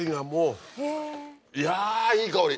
いやいい香り。